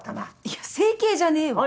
いや整形じゃねえわ！